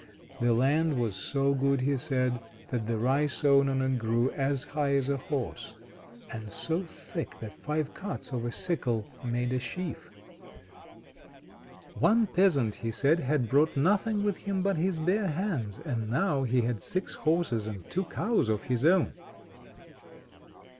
The land was so good, he said, that the rye sown on it grew as high as a horse, and so thick that five cuts of a sickle made a sheaf. One peasant, he said, had brought nothing with him but his bare hands, and now he had six horses and two cows of his own.